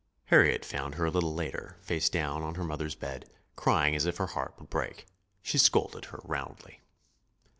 Harriet found her a little later, face down on her mother's bed, crying as if her heart would break. She scolded her roundly.